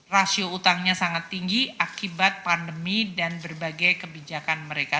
rasio utangnya sangat tinggi akibat pandemi dan berbagai kebijakan mereka